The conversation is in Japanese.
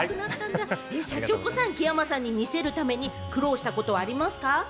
シャチホコさん、木山さんに似せるために苦労したことはありますか？